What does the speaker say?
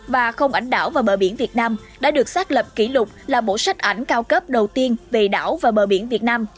và không ảnh đảo và bờ biển việt nam đã được xác lập kỷ lục là bộ sách ảnh cao cấp đầu tiên về đảo và bờ biển việt nam